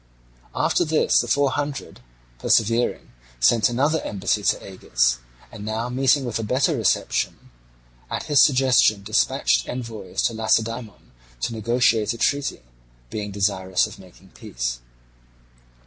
After this the Four Hundred persevering sent another embassy to Agis, and now meeting with a better reception, at his suggestion dispatched envoys to Lacedaemon to negotiate a treaty, being desirous of making peace.